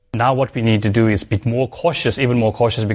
sekarang apa yang kita harus lakukan adalah lebih berhati hati